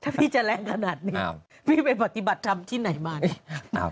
ถ้าพี่จะแรงขนาดนี้อ้าวพี่เป็นปฏิบัติธรรมที่ไหนมานี่อ้าว